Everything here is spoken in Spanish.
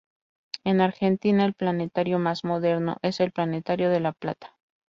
En Argentina el planetario más moderno es el Planetario de La Plata.